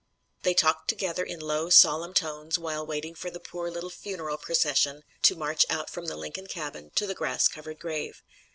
They talked together in low, solemn tones while waiting for the poor little funeral procession to march out from the Lincoln cabin to the grass covered grave.